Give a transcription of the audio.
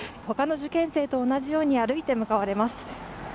他の受験生と同じように歩いて向かわれます。